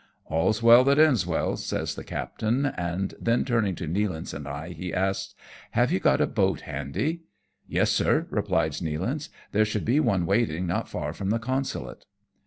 " All's well that ends well," says the captain ; and then turning to Nealance and I, he asks, " Have you got a boat handy ?"" Yes, sir," replies Nealance ; ''there should be one waiting not far from the Consulate."